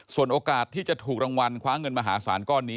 ส่วนโอกาสที่จะถูกรางวัลคว้าเงินมหาศาลก้อนนี้